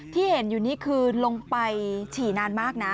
ที่เห็นอยู่นี่คือลงไปฉี่นานมากนะ